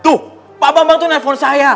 tuh pak bambang tuh nelfon saya